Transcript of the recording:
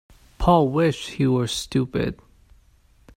Paul wished he were stupid.